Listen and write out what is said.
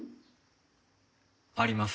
あります。